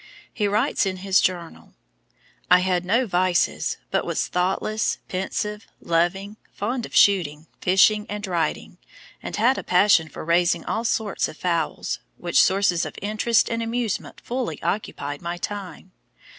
He writes in his journal: "I had no vices, but was thoughtless, pensive, loving, fond of shooting, fishing, and riding, and had a passion for raising all sorts of fowls, which sources of interest and amusement fully occupied my time.